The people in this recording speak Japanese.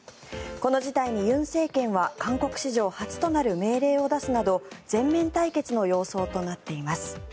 この事態に尹政権は韓国史上初となる命令を出すなど全面対決の様相となっています。